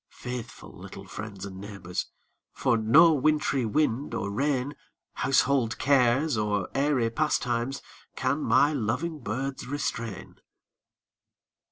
Faithful little friends and neighbors, For no wintry wind or rain, Household cares or airy pastimes, Can my loving birds restrain.